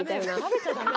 食べちゃダメ。